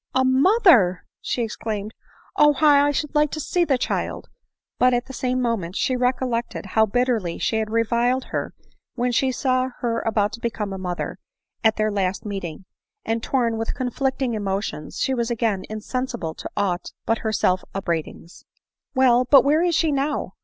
" A mother !" she exclaimed, "Oh, how I should like to see her child !"— But at the same moment she recol lected how bitterly she had reviled her when she saw her about to become a mother, at their last meeting ; and, torn with conflicting emotions, she was again insensible to aught but her self upbraid ings. " Well — but where is she now